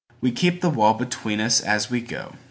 We keep the wall between us as we go.